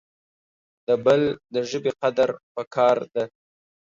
د بل دژبي قدر پکار د